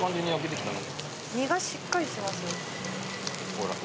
身がしっかりしてますよ。